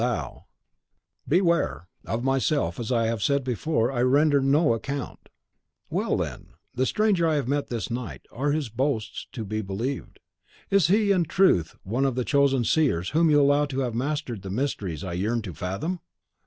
Thou " "Beware! Of myself, as I have said before, I render no account." "Well, then, the stranger I have met this night, are his boasts to be believed? Is he in truth one of the chosen seers whom you allow to have mastered the mysteries I yearn to fathom?"